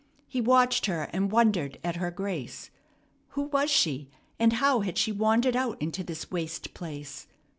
He watched her, and wondered at her grace. Who was she, and how had she wandered out into this waste place?